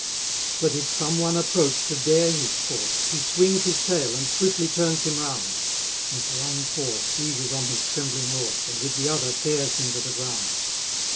97 But if some one approach to dare his force, He swings his tail, and swiftly turns him round; With one paw seizes on his trembling horse, And with the other tears him to the ground.